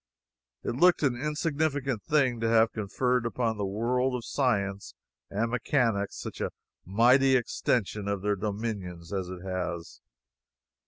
It looked an insignificant thing to have conferred upon the world of science and mechanics such a mighty extension of their dominions as it has.